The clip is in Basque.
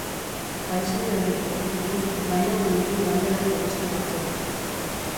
Paisaiari dagokionez, nahiago ditu bailarako beste batzuk.